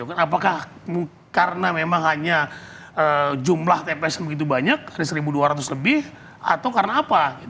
apakah karena memang hanya jumlah tps yang begitu banyak ada satu dua ratus lebih atau karena apa